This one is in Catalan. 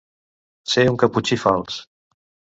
Ser un caputxí fals.